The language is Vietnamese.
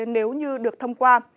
nếu như được thông qua